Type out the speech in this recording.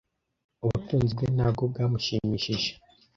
Ubutunzi bwe ntabwo bwamushimishije.